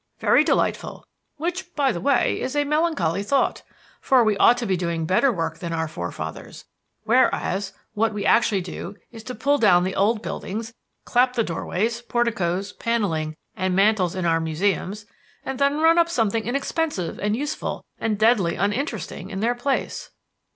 "Very delightful; which, by the way, is a melancholy thought. For we ought to be doing better work than our forefathers; whereas what we actually do is to pull down the old buildings, clap the doorways, porticoes, paneling, and mantels in our museums, and then run up something inexpensive and useful and deadly uninteresting in their place."